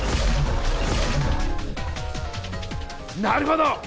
なるほど！